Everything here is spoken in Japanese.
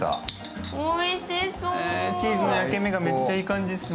チーズの焼け目がめっちゃいい感じっすね。